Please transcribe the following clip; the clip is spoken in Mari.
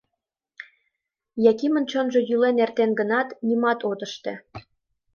Якимын чонжо йӱлен эртен гынат, нимат от ыште.